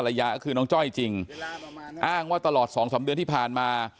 ยายาก็คือน้องจ้อยจริงอ้างว่าตลอดสองสามเดือนที่ผ่านมา